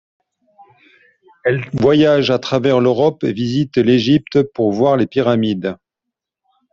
Elle voyage à travers l'Europe et visite l'Egypte pour voir les pyramides.